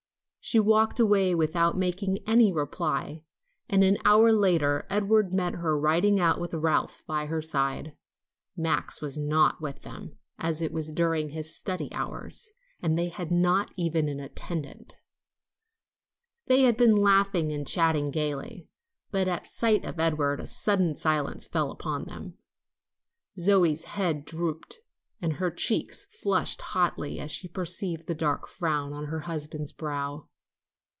She walked away without making any reply, and an hour later Edward met her riding out with Ralph by her side. Max was not with them, as it was during his study hours, and they had not even an attendant. They had been laughing and chatting gayly, but at sight of Edward a sudden silence fell on them. Zoe's head drooped and her cheeks flushed hotly as she perceived the dark frown on her husband's brow.